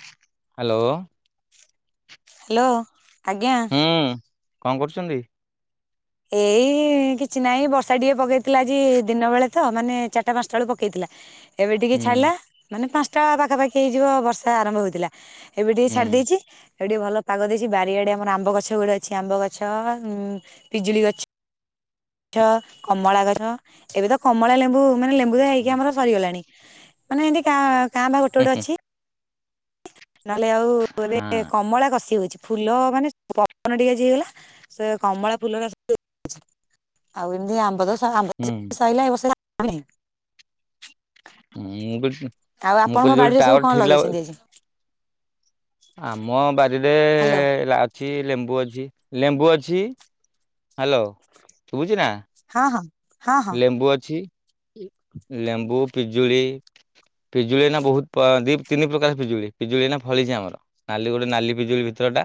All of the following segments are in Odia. [inaudible] ହାଲୋ। [inaudible] ହାଲୋ ଆଜ୍ଞା। ହୁଁ କଣ କରୁଛନ୍ତି। ଏଇ କିଛି ନାଇଁ ବର୍ଷା ଟିକେ ପକେଇଥିଲା। ଆଜି ଦିନ ବେଳେ ତ ମାନେ ଚାରିଟା ପାଞ୍ଚଟା ବେଳେ ପକେଇଥି ଏବେ ଟିକେ ହୁଁ ଛାଡିଲା ମାନେ ପାଞ୍ଚଟା ପାଖାପାଖି ହେଇଯିବ ବର୍ଷା ଆରମ୍ଭ ହେଇଥିଲା। ଏବେ ଟିକେ ଛାଡି ହୁଁ ଦେଇଛି। ଏଉ ଟିକେ ଭଲ ପାଗ ଦେଇଛି ବାରିଆଡେ ଆମର ଆମ୍ବ ଗଛ ଗୁଟେ ଅଛି। ଆମ୍ବ ଗଛ ଉ ପିଜୁଳି ଗ ଗଛ କମଳା ଗଛ ଏବେ ତ କମଳା ଲେମ୍ବୁ ମାନେ ଲେମ୍ବୁ ତ ହେଇକି ହୁଁ ଆମର ସରିଗଲାଣି। ମାନେ ଏମତି କା ଭା କା ଭା ବା ଗୋଟେ ଗୋଟେ ହୁଁ ଅଛି। ନ ହେଲେ ଆଉ ଏବେ ହଁ କମଳା କଷି ହଉଛି। ଫୁଲ ମାନେ ପବନ ଟିକେ ଯ ହେଇଗଲା ସେ କମଳା ଫୁଲଉରା [unintelligible] ଆଉ ଏମିତି ଆମ୍ବ ତ ଆମ୍ବ ତ ହୁଁ ସଇଲା ଏ ବର୍ଷ ଆମ୍ବ ନାହିଁ। [inaudible] ମୁଁ ବି ଆଉ ମୁଁ ଆପଣଙ୍କ କହିଲି ଯୋଉଠି ବାଡିରେ ସବୁ କଣ ଟାୱାର ଠିକ ଲଗେଇଛନ୍ତି ଆଜି? ଆମ ବାରିରେ ହ୍ୟାଲୋ ଏ ଅଛି ଲେମ୍ବୁ ଅଛି ଲେମ୍ବୁ ଅଛି। ହାଲୋ ଶୁବୁଛି ନା। ହଁ ହଁ। ହଁ ହଁ ଲେମ୍ବୁ ଅଛି ଲେମ୍ବୁ ପିଜୁଳି। ପିଜୁଳି ନା ବହୁତ ଦି ତିନି ପ୍ରକାର ପିଜୁଳି ପିଜୁଳି ନା ଫଳିଛି ଆମର। ନାଲି ଗୋଟେ ନାଲି ପିଜୁଳି ତର ଟା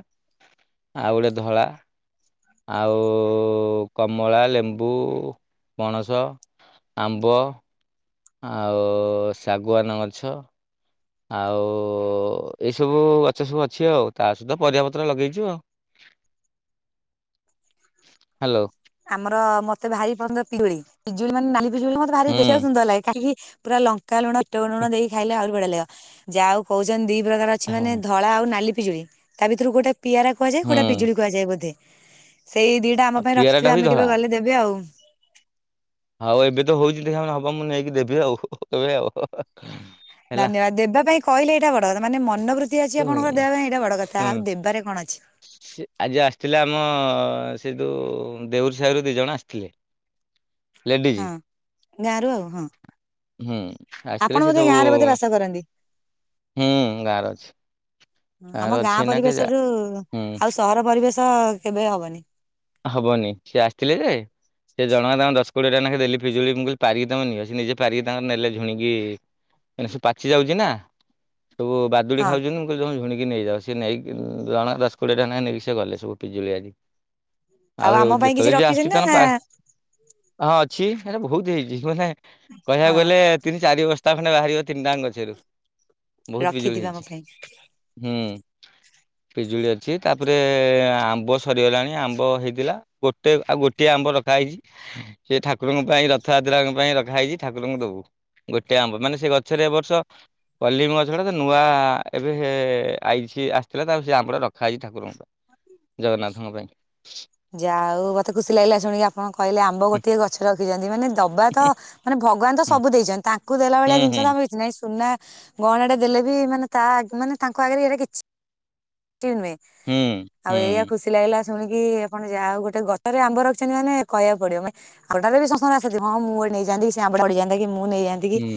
[inaudible] ଆଉ ଗୋଟେ ଧଳା। ଆଉ କମଳା ଲେମ୍ବୁ। ପଣସ ଆମ୍ବ। ଆଉ ଶାଗୁଆନ ଗଛ ଆଉ ଏଇ ସବୁ ଗଛ ସବୁ ଅଛି ଆଉ ତା ସହିତ ପରିବା ପତ୍ର ଲଗେଇଛୁ ଆଉ। [inaudible] [inaudible] ହାଲୋ। ଆମର ମତେ ଭାରି ପସନ୍ଦ ପିଜୁଳି ପିଜୁଳି ମାନେ ନାଲି ପିଜୁଳି ମତେ ଭାରି ଦେଖିବାକୁ ହୁଁ ସୁନ୍ଦର ଲାଗେ। କାହିଁକି ପୁରା ଲଙ୍କା ଲୁଣ ଅଟ ଲୁଣ ଦେଇ ଖାଇଲେ ଆହୁରି ବଢିଆ ଲାଗିବ। ଯାହାହଉ କହୁଛନ୍ତି। ପ୍ରକାର ଅଛି ମାନେ ଧଳା ଆଉ ନାଲି ପିଜୁଳି ତା ଭିତରୁ ଗୋଟେ ପିଆରା କୁହାଯଏ। ଗୋଟା ହୁଁ ପିଜୁଳି କୁଆଯାଏ ବୋଧେ? ସେଇ ଦିଟା ଆମ ଆଉ ପାଇଁ ପିଆରା ଟା ରଖିଥିବେ ହଉଛି ଆମେ କେବେ ଗଲେ ଦେବେ ଆଉ। ଆଉ ଏବେ ତ ହଉଛି ଦେଖ ହବା ମୁଁ ନେଇକି ଦେବି ଆଉ ଏବେ ଆଉ। ହେଲା। ଧନ୍ୟବାଦ ଦେବା ପାଇଁ କହିଲେ ଏଇଟା ବଡ କଥା ମାନେ ମନବୃତ୍ତି ଅଛି ହୁଁ ଆପଣଙ୍କର ଦେବା ପାଇଁ। ଏଇଟା ବଡ କଥା ଆଉ ହୁଁ ଦେବାରେ କଣ ଅଛି। ସେ ଆଜି ଆସିଥିଲେ ଆମ ସେ ଯୋଉ ଦେଉରୀ ସାହିରୁ ଦି ଜଣ ଆସିଥିଲେ। ଲେଡିଜ। ହଁ ଗାଁରୁ ଆଉ ହଁ। ହୁଁ ଆସିଥିଲେ ଆପଣ ସେ ବୋଧେ ସବୁ ଗାଁରେ ବୋଧେ ବାସ କରନ୍ତି। [inaudible] ହୁଁ ଗାଁରେ ଅଛି। ଗାଁରେ ଆମ ଗାଁ ଅଛି ଏଇନା କେ ଯା ପରିବେଶରୁୁ ହୁଁ ଆଉ ସହର ପରିବେଶ କେବେ ହବନି। ହବନି ସିଏ ଆସିଥିଲେ ଯେ ସେ ଜଣଙ୍କ ତାଙ୍କର ଦଶ କୋଡି ଟଙ୍କାେ ଦେଲି ପିଜୁଳି ପାରିକି ତମେ ନିଅ। ସେ ନିଜେ ପାରିକି ତାଙ୍କର ନେଲେ ଝୁଣିକି। ସେ ପାଚି ଯାଉଛି ନା ସବୁ ବାଦୁଡି ହଁ ଖାଉଛନ୍ତି ମୁଁ କହିଲି ତମେ ଝୁଣିକି ନେଇଯାଅ ସେ ନେଇକି ଜଣକା ଦସ କୋଡିଏ ଟା ନେଇକି ସେ ଗଲେ ସବୁ ପିଜୁଳି ଆଜି। ଆଉ ହେଉ ଆମ ପାଇଁ କିଛି ଯେତେବେଳେ ଯିଏ ଆସୁଛି। ରଖିଛନ୍ତି ତାଙ୍କ ନା ପା ହଁ ଅଛି ସେଟା ବହୁତ ହେଇଛି। ମାନେ କହିବାକୁ ହଁ ଗଲେ ତିନି ଚାରି ବସ ତା ଖଣ୍ଡେ ବାହାରିବ ତିନିଟାଙ୍କ ଗଛରୁ ବହୁତ ବିଜୁଳି ରଖିଥିବେ ଆମ ହେଇଛି ପାଇଁ। ହୁଁ। ପିଜୁଳି ଅଛି ତାପରେ ଆମ୍ବ ସରିଗଲାଣି ଆମ୍ବ ଆମ୍ବ ହେଇଥିଲା ଗୋଟେ ଆଉ ଗୋଟିଏ ଆମ୍ବ ରଖା ହେଇଛି ସେ ଠାକୁରଙ୍କ ପାଇଁ ରଥଯାତ୍ରା ଙ୍କ ପାଇଁ ରଖା ଆାଇଛି ଠାକୁରଙ୍କୁ ଦବୁ। ଗୋଟେ ଆମ୍ବ ମାନେ ସେ ଗଛରେ ଏବ ବର୍ଷ କଲିମ ଗଛଡା ତ ନୂଆ ଏବେ ଆଇଛି। ସିଏ ଆସିଥିଲା ତା ସିଏ ଆମ ଟା ରଖା ହେଇଛି ଠାକୁରଙ୍କ ପାଇଁ ଜଗନ୍ନାଥଙ୍କ ପାଇଁ। ଯାଉ ମତେ ଖୁସି ଲାଗିଲା ଶୁଣିକି ଆପଣ କହିଲେ ଆମ୍ବ ଗୋଟେ ଗଛ ରଖିଛନ୍ତି ମାନେ ଦବା ଟା ମାନେ ଭଗବାନ ତ ହୁଁ ସବୁ ଦେଇଛନ୍ତି ତାଙ୍କୁ ଦେଲା ହୁଁ ଭଳିଆ ଜିନିଷ ହୁଁ ଆମର କିଛି ନାହିଁ ସୁନା ଗହଣାଟେ ଦେଲେ ବି ମାନେ ତା ମାନେ ତାଙ୍କ ଆଗରେ ଏଇଟା କିଛି ନୁହେଁ ହୁଁ ଆଉ ଏଇଆ ଖୁସି ଲାଗିଲା ଶୁଣିକି ଆପଣ ଯାହା ହଉ ଗୋଟେ ଗଛରେ ଆମ୍ୱ ରଖିଛନ୍ତି ମାନେ କହିବାକୁ ପଡିବ ମାନେ ଆଉଟାରେ ବି [unintelligible] ଆସିବ ହଁ ମୁଁ ନେଇ ଯାନ୍ତି ପଡ଼ି ଯାଆନ୍ତା କି ମୁଁ ନେଇ ଯାଆନ୍ତି। ହୁଁ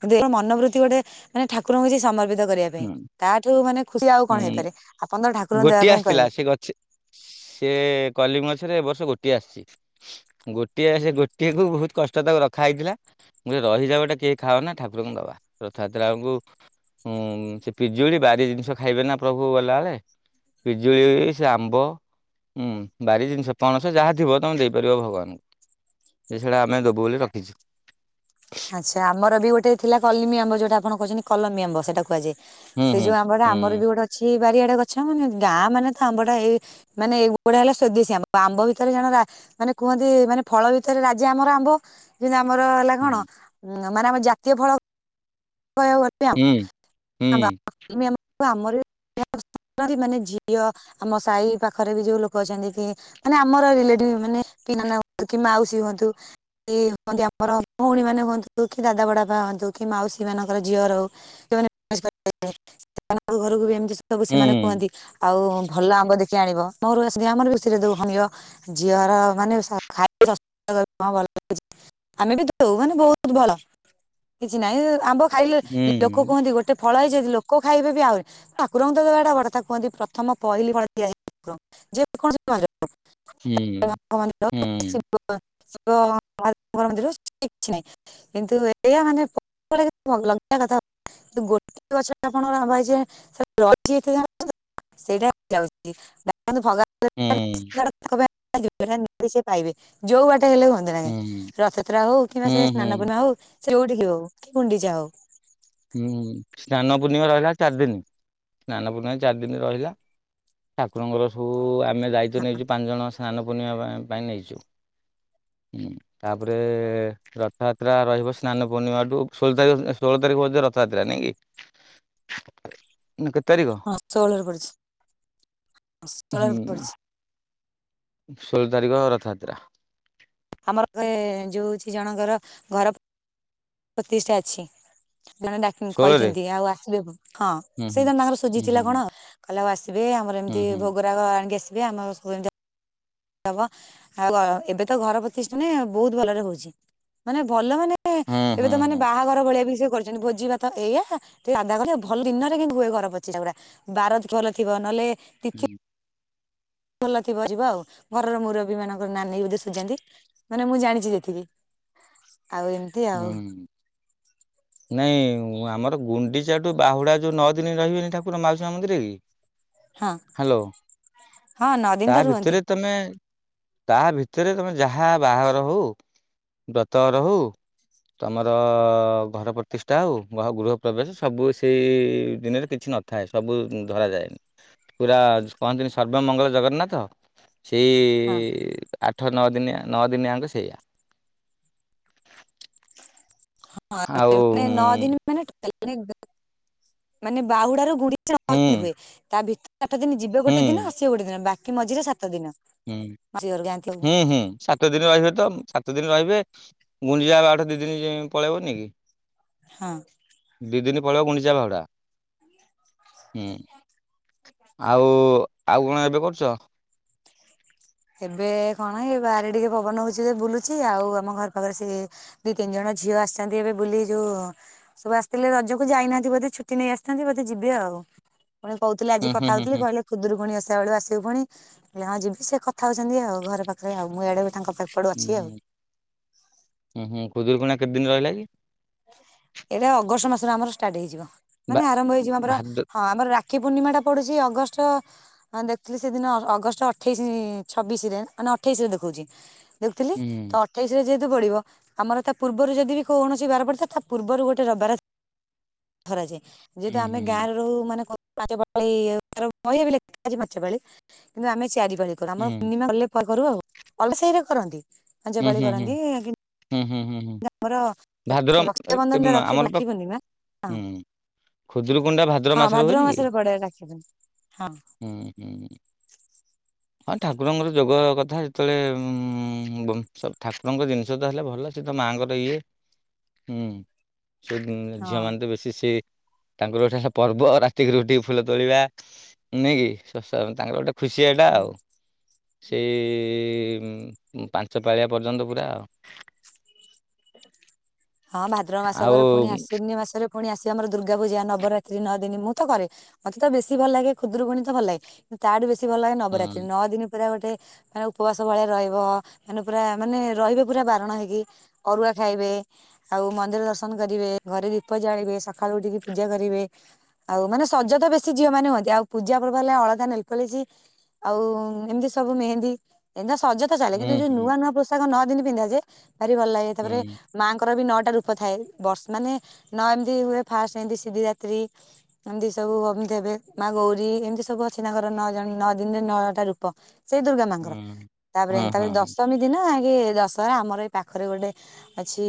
କିନ୍ତୁ ମନୋବୃତ୍ତି ଗୋଟେ ମାନେ ଠାକୁରଙ୍କୁ ଯ ସମର୍ପିତ କରିବା ପାଇଁ ହୁଁ ତାଠୁ ମାନେ ଖୁସି ଆଉ କଣ ହୁଁ ହେଇପାରେ ଆପଣ ତ ଠାକୁରଙ୍କୁ ଦେବା ଗୋଟିଏ ପାଇଁ ଆସିଥିଲା କହିଲେ। ସେ ଗଛ ସେ କଲିମ ଗଛରେ ଏ ବର୍ଷ ଗୋଟିଏ ଆସିଛି ଗୋଟିଏ ଗୋଟିଏକୁ ବହୁତ କଷ୍ଟ ତାକୁ ରଖା ହେଇଥିଲା ମୁଁ କହିଲି ରହି ଯା ଟା କିଏ ଖାଅ ନା ଠାକୁରଙ୍କୁ ଦବା ରଥଯାତ୍ରାଆଳକୁ ହୁଁ ସେ ପିଜୁଳି ବାରି ଜିନିଷ ଖାଇବେ ନା ପ୍ରଭୁ ଗଲାବେଳେ। ବିଜୁଳି ସେ ଆମ୍ବ ହୁଁ ବାରି ଜିନିଷ ପଣସ ଯାହା ଥିବ ତମେ ଦେଇପାରିବ ଭଗବାନଙ୍କୁ। ଏଛଡା ଆମେ ଦେବୁ ବୋଲି ରଖିଛୁ। ଆଚ୍ଛା ଆମର ବି ଗୋଟେ ଥିଲା କଲିମ ଆମ୍ବ ଯୋଉଟା ଆପଣ କହୁଛନ୍ତି କଲମି ଆମ୍ବ ସେଟା କୁହାଯାଏ। ହୁଁ ସେ ହୁଁ ଯୋଉ ଆମ୍ୱଟା ହୁଁ ଆମର ବି ଗୋଟେ ଅଛି। ବାରିଆଡେ ଗଛ ମାନେ ଗାଁ ମାନେ ତ ଆମ୍ବ ଟା ଏଇ ମାନେ ଏଗୁଡା ହେଲା ସ୍ଵଦେଶୀ ଆମ୍ବ ଆମ୍ବ ଭିତରେ ଜଣେ ମାନେ କୁହନ୍ତି ମାନେ ଫଳ ଭିତରେ ରାଜି ଆମର ଆମ୍ବ ଯେମିତି ଆମର ହେଲା ହୁଁ କଣ ହଁ ମାନେ ଆମର ଜାତୀୟ ଫଳ। କହ ଆ ହୁଁ ହୁଁ [unintelligible] ଆମରି [unintelligible] ମାନେ ଝିଅ ଆମ ସାହି ପାଖରେ ବି ଯୋଉ ଲୋକ ଅଛନ୍ତି କି ମାନେ ଆମର ରିଲେଟିଭ ମାନେ ପିଲା ହୁ କି ମାଉସୀ ହୁଅନ୍ତୁ। ହୁଅନ୍ତି ଆମର ଭଉଣୀ ମାନେ ହୁଅନ୍ତୁ କି ଦାଦା ବଡ ବାପା ହୁଅନ୍ତୁ କି ମାଉସୀ ସେମାନଙ୍କର ଝିଅ ର [unintelligible] ସେମାନଙ୍କ ଘରକୁ ବି ଏମିତି ସବୁ ସେମାନେ କୁହନ୍ତି ହୁଁ ଆଉ ଭଲ ଆମ୍ବ ଦେଖି ଆଣିବ ମୋର ଆମର ବେଶି ଯୋଉ ହଣିବ ଝିଅର ମାନେ ଖାଇ ଭଲ ଲୁ ଆମେ ବି ଦଉ ମାନେ ବହୁତ ଭଲ କିଛି ନହିଁ। ଆମ୍ବ ଖାଇଲେ ଲୋକ କୁହନ୍ତି ଗୋଟେ ଫଳ ହେଇଛନ୍ତି ଲୋକ ଖାଇବେ ବି ଆହୁରି ଠାକୁରଙ୍କ ଦେବାଟା ବଡ କଥା କୁହନ୍ତି ପ୍ରଥମ ପହିଲି ଫଳ ଆ [unintelligible] ହୁଁ ହୁଁ ହୁଁ ଶ ମଧ୍ୟଠ କିଛି ନାହିଁ କିନ୍ତୁ ଏଇଆ ମାନେ [unintelligible] ଲା କଥା କି ଗୋଟେ ଗଛଟା ଆପଣର ଆ ରହିଛି। [unintelligible] ସେଇଟା ଯାଉଛି ହୁଁ [unintelligible] ପାଇବେ ଯୋଉ ବାଟେ ସେ ହେଲେ ହୁଅନ୍ତି ନାହିଁ ହୁଁ ରଥଯତ୍ରା ହଉ କିମ୍ବା ସେ ହୁଁ ସ୍ନାନ ପୂର୍ଣିମା ହଉ ସେ ଯୋଉଠିକି ହଉ। କି ଗୁଣ୍ଡିଚା ହଉ। ହୁଁ ସ୍ନାନ ପୂର୍ଣ୍ଣିମା ରହିଲା ଆଉ ଚାରି ଦିନ ସ୍ନାନ ପୂର୍ଣ୍ଣିମା ଚାରି ଦିନ ରହିଲା। ଠାକୁରଙ୍କର ସବୁ ଆମେ ଦାୟିତ୍ ନେଇଛୁ ପାଞ୍ଚ ଜଣ ସ୍ନାନ ପୂର୍ଣ୍ଣିମା ପାଇଁ ନେଇଛୁ। ହଁ ତାପରେ ରଥଯାତ୍ରା ରହିବ ସ୍ନାନ ପୂର୍ଣ୍ଣିମାଠୁ ଷୋହଳ ତାରିଖ ଷୋହଳ ତାରିଖ ରହିବ ରଥଯାତ୍ରା ନାଇଁ କି। ନା କେତେ ତାରିଖ? ହଁ ସୋହଲରେ ପଡିଛି ଷୋହଳରେ ହୁଁ ପଡିଛି। ଷୋହଳ ତାରିଖ ରଥଯାତ୍ରା। ଆମର ଯୋଉଛି ଜଣଙ୍କର ଘର ପ୍ରତିଷ୍ଠା ଅଛି। ଜଣେଡା ଷୋହଳରେ କହିଛନ୍ତି ଆଉ ଆସିବେ ହଁ ହୁଁ ହୁଁ। ସେଇ ଜଣ ତାଙ୍କର ସୁଝି ହୁଁ ହୁଁ ଥିଲା କଣ କହିଲେ ଆଉ ଆସିବେ। ଆସିବେ ଆମର ହୁଁ ଏମିତି ହୁଁ ହୁଁ ଭୋଗରାଗ ଆଣିକି ଆସିବେ ଆମର ସବୁମତି ହବ ଆଉ ଏବେ ତ ଘର ପ୍ରତିଷ୍ଠାନ ବହୁତ ଭଲରେ ହଉଛି ମାନେ ଭ ଭଲ ମାନେ ଏବେ ହୁଁ ତ ମାନେ ହୁଁ ବାହାଘର ଭଳିଆ ବି ସେ କରିଛନ୍ତି ଭୋଜି ବା ତ ଏଇଆ ଭଲ ଦିନରେ କେ ହୁଏ ଘର ପଚି ଗୁଡା ବାର କର ଥିବ ନହେଲେ। ତିଥି ହୁଁ। ଭଲ ଥିବ ଯିବ ଆଉ ଘରର ମୁରବୀ ମାନଙ୍କର ନାନୀ ବୋଧ ସୁଝାନ୍ତି ମାନେ ମୁଁ ଜାଣିଛି ଯେତିକି [inaudible] ଆଉ ଏମିତି ହୁଁ ଆଉ। ହୁଁ। ନାଇଁ ଆମର ଗୁଣ୍ଡିଚାଠୁ ବାହୁଡା ଯୋଉ ନଅ ଦିନ ରହିବେନି ଠାକୁର ମାଉସୀ ମା ମନ୍ଦିରରେ କି ହଁ ହ୍ୟାଲୋ ହଁ ନଅ ଦିନ ତ ତା ରୁହନ୍ତି। ଭିତରେ ତମେ ତା ଭିତରେ ତମେ ଯାହା ବାହାଘର ହଉ ବ୍ରତଘର ହଉ। ତମର ଘରଅ ପ୍ରତିଷ୍ଠା ଆଉ ଗୃହ ପ୍ରବେଶ ସବୁ ସେଇ ଦିନରେ କିଛି କିଛି ନଥାଏ ସବୁ ଧର ଯାଏନି ପୁରା କହନ୍ତିନ ସର୍ବମଙ୍ଗଳ ଜଗନ୍ନାଥ ସେଇ ହଁ ଆଠ ନଅ ଦିନିଆ ନଅ ଦିନିଆଙ୍କ ସେଇଆା ହଁ ହୁଁ ନଅ ଦିନ ମାନେ [unintelligible] ମାନେ ବାହୁଡ ର ଗୁଡି ହୁଁ ହୁଏ ତା ଭିତରେ ସଠ ଦିନ ଯିବ ଗୋଟେ ଦିନ ଆସିବେ ଗୋେ ଦିନ ବାକ ମଝିରେସଆ ହୁଁ ହୁଁ ହୁଁ ସାତ ଦିନ ରହିବେ ତ ସାତ ଦିନ ରହିବେ। ଗୁଞ୍ଜିା ଆଠ ଦି ଦିନ ପଳେଇବନି କି। ହଁ। ଦି ଦିନ ପଳିବ ଗୁଣ୍ଡିଯା ଭଡା ହୁଁ। ଆଉ ଆଉ କଣ ଏବେ କରୁଛ। ଏବେ କଣ ଏ ବାହାରେ ଟିକେ ପବନ ହଉଛି ବୁଲୁଛି ଆଉ ଆମ ଘର ପାଖରେ ସେ ଦି ତିନି ଜଣ। ଝିଅ ଆସିନ୍ତି ଏବେ ବୁଲି ଯୋଉ ସବୁ ଆସିଥିଲେ ରଜକୁ ଯାଇନାହାନ୍ତି ବୋଧେ ଛୁଟି ନେଇ ଆସିଥା ବୋଧେ ଯିବେ ଆଉ। ପୁଣି କହୁଥିଲେ ଆଜି ହୁଁ ହୁଁ କଥା ହୁଁ ହଉଥିଲି ହୁଁ କହିଲେ ଖୁଦରୁ ପୁଣି ଆସିଲା ବେୁ ଆସିବୁ ପୁଣି କିଲ ହଁ ଯିବି ସେ କଥା। ଥାାଉଛନ୍ତି ଆଉ ଘର ପାଖରେ ଆଉ ମୁଁ ଆଆଡେ। ହ ହଁ ହୁଁ ହୁଁ ଖୁଜୁର ପଣା କେତେ ଦିନ ରହିଲା କି। ଏଇଟା ଅଗଷ୍ଟ ମାସରେ ଆମର ଷ୍ଟାର୍ଟ ହେଇଯିବ। ବା ମାନେ ଆରମ୍ଭ ହେଇଯିବ ଆମର ଭାଦ୍ର ହଁମର ରାକ୍ଷୀ ପୂର୍ଣ୍ଣିମା ଟା ପଡୁଛି। ଅଗଷ୍ଟ ଦେଖଥିଲି ସେଦିନ ଅଗଷ୍ଟ ଅଠେଇ ଛବିଶରେ ମାନ ଅଠେଇରେ ଦେଖ। ଦେଖୁଥିଲି ହୁଁ ତ ଅଠେଇଶରେ ଯେହେତୁ ବ ପଢିବ ଆମର ତା ପୂର୍ବରୁ ଯଦି ବି କୌଣସି ବାରବାଟ। ତଥା ପୂର୍ବରୁ ଗୋଟେ ରବାର ଧାଏ ଯେହେତୁ ହୁଁ ଆମେ ହୁଁ ଗାଁ ର ମାନେ। ପା ପାଳି ଲେଖ ପାଞ୍ଚ ପାଳି କିନ୍ତୁ ଆମେ ଚାରି ପାଳି କର ହୁଁ ଆମର। କା କରୁ ଆଉ ଅଲସେଇରେ କରନ୍ତି। ପାଞ୍ଚ ହୁଁ ପାଳି ହୁଁ ହୁଁ କରନ୍ତି କିନ୍ତୁ ହୁଁ ହୁଁ ହୁଁ ହୁଁ। ଆମର ଭାଦ୍ର ରକ୍ଷାବନ୍ଧନ ଟା ରଖି ଆମର ରାକ୍ଷୀ ପାଖ ପୂର୍ଣ୍ଣିମା ହଁ ହୁଁ। ଖୁଦୁର କୁଣ୍ଡା ଭାଦ୍ର ହଁ ମାସର ଭାଦ୍ରବ ହୁଏନି କି। ମାସରେ ପଡେ ରାକ୍ଷୀ ପୂର୍ଣ୍ଣିମା ହଁ ହୁଁ ହୁଁ। ହଁ ଠାକୁରଙ୍କର ଯୋଗ କଥା ଯେତେବେଳେ ଠାକୁରଙ୍କ ଜିନିଷ ତ ହେଲେ ଭଲ ସେ ତ ମା। ତାଙ୍କର ଇଏ ହୁଁ ସେ ଝିଅ ମାନ ହଁ ତ ବେଶୀ ସେ। ତାଙ୍କର ଗୋଟେ ପର୍ବ ରାତିକି ରୁଟି ଫୁଲ ତୋଳିବା ନଁ କି ତାଙ୍କର ଗୋଟେ। ଖୁସି ଏଇଟା ହୁଁ। ଆଉ। ସେଇ ପାଞ୍ଚ ପାାଳିଆ ପର୍ଯ୍ୟନ୍ତ ପୁରା ଆଉ। ହଁ ଭାଦ୍ର ମାସ ଆଉ ପରେ ପୁଣି ଆଶ୍ୱନ୍ୟ ମାସରେ। ପୁଣି ଆସିବ ଆମର ଦୁର୍ଗା ପୂଜା ନବରାତ୍ରୀ ନଅ ଦିନ ମୁଁ ତ କରେ ମତେ ତ ବେଶୀ ଭଲ ଲାଗେ ଖୁଦରୁକୁୁଣି ତ ଭଲ ଲାଗେ। ତାଠୁ ବେଶୀ ଭଲ ଲାଗେ ନବରାତ୍ରି ନଅ ଦିନ। ପୁରା ଗୋଟେ ମାନେ ଉପବାସ ଭଳିଆ ରହିବ ମାନେ ପୁରା ମାନେ ରହିବେ ପୁରା ବାରଣ ହେଇକି। ଅରୁଆ ଖାଇବେ ଆଉ ମନ୍ଦିର ଦର୍ଶନ କରିବେ ଘରେ ଦୀପ ଜାଳିବେ ସକାଳୁ ଉଠିକି ପୂଜା କରିବେ। ଆଉ ମାନେ ସଜ ତ ବେଶୀ ଝିଅ ମାନେ ହୁଅନ୍ତି ଆଉ ପୂଜା ପର୍ବ ହେଲେ ଅଳଦା ନେଲପଲିସ୍। ଆଉ ଏମିତି ସବୁ ମେହେନ୍ଦୀ ଏ ସଜତ ଚାଲେ ହୁଁ କିନ୍ତୁ ଯୋଉ ହୁଁ ନୂଆ ନୂ ପୋଷା ନ ଦିନି ପିନ୍ଧା ଯେ ଭାରି ଭଲ ଲାଗେ ହୁଁ ତାପରେ ମାଆଙ୍କର ବି ନ ରୂପ ଥାଏ ବର୍ଷ ମାନେ ନ ଏମିତି ହୁଏ ଫାଷ୍ଟ ଏମତି ଶିବରାତ୍ରୀ ଏମିତି ସବୁ। ଦେବେ ମା ଗୌରୀ ଏମିତି ସବୁ ଅଛି, ନାଙ୍କର ନଅ ଜଣ ନଅ ଦିନରେ ନଅଟା ରୂପ। ସେଇ ଦୁର୍ଗା ମାଆଙ୍କର ହୁଁ ତାପରେ ହୁଁ ହୁଁ ତାପରେ ହୁଁ ଦଶମୀ ଦିନ ଆ ଦଶହରା ଆମର ଏଇ ପାଖରେ ଗୋଟେ ଅଛି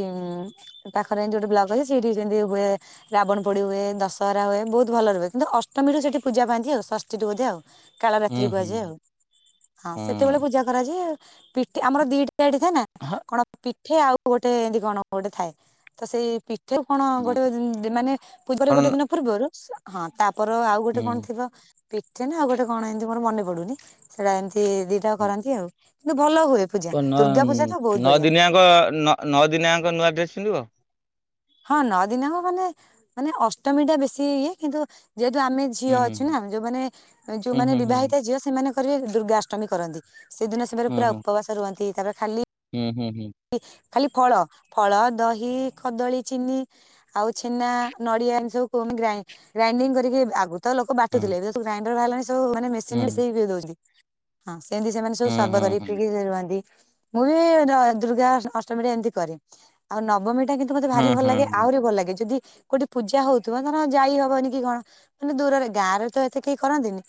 ଉ ପାଖରେ ଏମିତି ଗୋଟେ ବ୍ଲଗ ଅଛି, ସେଠି ସେମତି ହୁଏ ରାବଣ ପୋଡି ହୁଏ ଦଶ। କରରା ହଏ ବହୁତ ଭଲ ରୁହ କିନ୍ତୁ ଅଷ୍ଟମୀରୁ ସେଠ ପୂଜା ପାଆନ୍ତି ଆଉଷଠ ବୋଧ ଆଉ। ହୁଁ କାଳରତ୍ରି ହୁଁ କୁହାଯାଏ, ଆଉ ହଁ ସେତେବେଳେ ହୁଁ ପୂଜା କରାଯାଏ ପଠ ଆମର ଦି ପିଠ ଥାଏ ନା ହଁ କଣ ପିଠେ ଆଉ ଗୋଟେ ଏମିତି କଣ ଗୋଟେ ଥାଏ, ତ ସେଇ ପି ଉ କଣ ହଁ ଗୋଟେ ମାନେ ପୂର୍ବରେ କଣ ଗୋଟେ ଦିନ ପୂର୍ବରୁ ହଁ ତା। ପର ଆଉ ଗୋଟେ କଣ ହୁଁ ଥିବ। ପିଠେ ନା ଆଉ ଗୋଟେ କଣ ଏମିତି ମୋର ମନେ ପଡୁନି, ସେଟା ଏମିତି ଦିଟା କରନ୍ତି, ଆଉ କିନ୍ତୁ ଭଲ ହୁଏ ପୂଜା ଦୁର୍ଗା ପୂଜା ତ ବହୁତ ନଅ ବଢିଆ ଦିନିଆଙ୍କ ନଅ ଦିନିଆଙ୍କ ନୂଆ ଡ୍ରେସ୍ ପିନ୍ଧିବ। ହଁ ନଅ ଦିନଙ୍କ ମାନେ ମାନେ ଅଷ୍ଟମୀ ଟା ବେଶୀ ଇଏ କିନ୍ତୁ ଯେହେତୁ ଆମେ ଝିଅ ଅଛୁ ନା, ଯୋଉମାନେ ଯୋଉମାନେ ବିବାହିତା ଝିଅ ସେମାନେ ଦୁର୍ଗାଷ୍ଟମୀ କରନ୍ତି, ସେ ଦିନ ସେ ପୁରା ଉପବାସ ରୁହନ୍ତି, ତାପରେ ଖାଲି ହୁଁ ହୁଁ। ଖାଲି ଫଳ ଫଳ ଦହି କଦଳୀ ଚିନି ଆଉ ଛେନା ନଡିଆ ଏ ସବୁ କ ଗ୍ରାଇ ଗ୍ରାଇଡିଙ୍ଗି କରିକି ଆ ତ ଲୋକ ବାଟୁଥିଲେ ଏବେ ତୁ ଗାଇଣ୍ଡର ବାହାରିଲଣି ସବୁାନେ ମେସିନ ରେ ସେ ବିି ଦଉଛନ୍ତି। ତ ସେମିତି ସେମାନେ ସବୁ ସର୍ବ କରିପିକି ସେ ରୁହନ୍ତି, ମୁଁ ବି ଦୁର୍ଗା ଅଷ୍ଟମୀ ରେ ଏମିତି କରେ। ଆଉ ନବମୀ ଟା କିନ୍ତୁ ମୋତେ ଭାରି ଭଲ ଲାଗେ, ଆହୁରି ଭଲ ଲାଗେ ଯଦି କୋଉଠି ପୂଜା ହଉଥିବ, ଧର ଯାଇ ହବନି କି କଣ, ମାନେ ଦୂରରେ, ଗାଁ ରେ ତ ଏତେ କେହି କରନ୍ତିନି।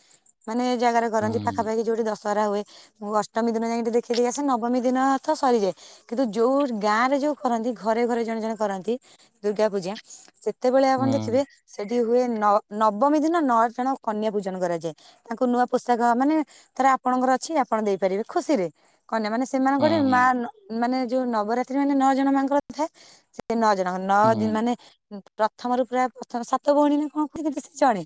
ମାନେ ଏ ଜାଗାରେ କରନ୍ତି, ପାଖାପାଖି ଯୋଉଠି ଦଶ କରା ହୁଏ। ମୁ ଅଷ୍ଟମୀ ଦିନ ଯାଇକି ଟିକେ ଦେଖିଦେଇ କି ଆସେ, ନବମୀ ଦିନ ହ ତ ସରିଯାଏ। କିନ୍ତୁ ଯୋଉ ଗାଁ ରେ ଯୋଉ କରନ୍ତି, ଘରେ ଘରେ ଜଣେ ଜଣେ କରନ୍ତି, ଦୁର୍ଗା ପୂଜା ସେ ଯେତେବେଳେ ଆପଣ ଦେଖିବେ ସେ ହୁଏ ନ ନବମୀ ଦିନ ନଅ ଜଣ କନ୍ୟା ପୂଜନ କରାଯାଏ। ତାଙ୍କୁ ନୂଆ ପୋଷାକ ମାନେ ତାରା ଆପଣଙ୍କର ଅଛି, ଆପଣ ଦେଇପାରିବେ ଖୁସିରେ। କନ୍ୟା ମାନେ ସେମାନଙ୍କ ଗୋଟେ ମା, ମାନେ ଯୋଉ ନବରାତ୍ରି ମାନେ ନଅ ଜଣ ମାନଙ୍କର ଥାଏ ସେ ସେ ନଅ ଜଣ, ନଅ ଦିନ ମାନେ, ପ୍ରଥମରୁ ପ୍ରାୟ ପ୍ରଥମ ସାତ ଭଉଣୀ କଣ କୁହେ କିନ୍ତୁ ସେ ଜଣେ।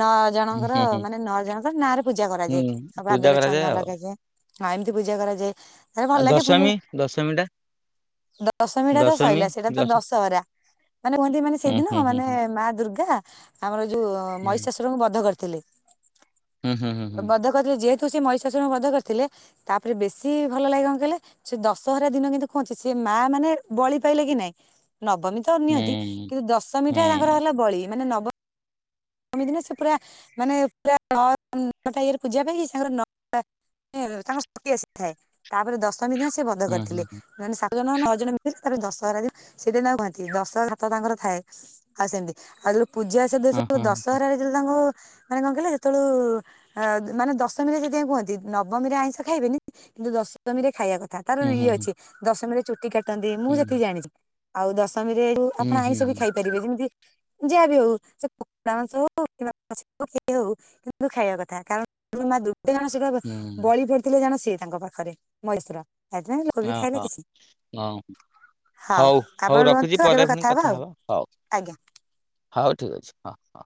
ନଅ ଜଣଙ୍କର, ମାନେ ନଅ ଜଣଙ୍କର ନାଁ ରେ ପୂଜା କରାଯାଏ ହୁଁ ସବୁ ପୂଜା ପାଦରେ କରାଯାଏ ଚନ୍ଦନ ଆଉ ଲଗାଯାଏ। ହଁ, ଏମିତି ପୂଜା କରାଯାଏ, ତାଲେ ଭଲ ଆଉ ଲାଗେ ପୁଣି ଦଶମୀ ଦଶମୀ ଟା? ଦଶମୀ ଟା ତ ଦଶମୀ ସଇଲା, ସେଇଟା ତ ଦଶ ଦଶହରା, ମାନେ କୁହନ୍ତି, ମାନେ ହୁଁ ସେଇଦିନ ହୁଁ ହୁଁ ମାନେ ହୁଁ ମା ଦୂର୍ଗା ଦୁର୍ଗା, ଆମର ଯୋଉ ମହିଷାଶ୍ୱରଙ୍କୁ ବଧ୍ୟ କରିଥିଲେ। ହୁଁ ହୁଁ ହୁଁ ହୁଁ ବର୍ଦ୍ଧା କରିଥିଲେ, ଯେହେ ହେତୁ ସେ ମଇଷାଶୁର କୁ ବଧ୍ୟ କରିଥିଲେ, ତାପରେ ବେଶୀ ଭଲ ଲାଗେ, କଣ କହିଲେ? ସେ ଦଶହରା ଦିନ କିନ୍ତୁ କଣ ହଉଚି, ସେ ମା ମାନେ ବଳି ପାଇଲେ କି ନାଇଁ। ନବମୀ ତ ନିଅନ୍ତି, କିନ୍ତୁ ଦଶମୀ ଟା ତାଙ୍କର ହୁଁ ହେଲା ବଳି, ମାନେ ନବ ଶମି ଦିନ ସେ ପୁରା, ମାନେ ପୁରା ନଅ ନଅଟା ଇଏରେ ପୂଜା ପାଇଁକି ସାଙ୍ଗରେ ନଅଟା। ତାଙ୍କ ସାଥିୀ ଆସିଥାଏ ତାପରେ ଦଶମୀ ଦିନ ସେ ବଧ୍ୟ ହୁଁ ହୁଁ କରିଥିଲେ। ହୁଁ ହୁଁ ମାନେ [unintelligible] ନଅ ଜଣ [unintelligible] ତାପରେ ଦଶହରା ଦିନ ସେଇଦିନ ତାଙ୍କୁ କୁହନ୍ତି ଦଶ ହାତ ତାଙ୍କର ଥାଏ। ଆଉ ସେମିତି ତା ପୂଜା ସବୁ ଦଶହରାରେ ଯେତେବେଳେ ତାଙ୍କୁ ମାନେ କଣ କହିଲ ମାନେ ହେତେବେଳୁ ଅ ମାନେ ଦଶମୀରେ ସେଥି ପାଇଁ କୁହନ୍ତି। ନବମୀରେ ଆଇଁଷ ଖାଇବେନି କିନ୍ତୁ ଦଶମୀରେ ଖାଇବା କଥା। ତାର ହୁଁ ହୁଁ ହୁଁ ଇଏ ହୁଁ ଅଛି। ଦଶମୀରେ ଚୁଟି କାଟନ୍ତି, ମୁଁ ଯେତିକି ଜାଣିଚି, ଆଉ ଦଶ ସମରେ ଆପଣ ହୁଁ ହୁଁ ହୁଁ ଆଇଁଷ ବି ହୁଁ ଖାଇ ପାରିବେ। ଯେମିତି ଯାହା ବି ହଉ ଆଇଁଷ ହଉ କି [unintelligible] କିନ୍ତୁ ଖାଇବା କଥା କାରଣ [unintelligible] ସେ ଜଣ ସେଟା ବଳି ପଡିଥିଲେ ଜଣେ ସେ ତାଙ୍କ ପାଖରେ ମହେଶ୍ୱର। ହ ହୋ ହ ହଉ ଆପଣ ହଉ ରଖୁଛି ରୁହନ୍ତୁ କେବେ ପରେ ପୁଣି ହବା କଥା ଆଉ ହବ। ହଉ ଆଜ୍ଞା। ହଉ ଠିକ ଅଛି। ହଁ ହଁ।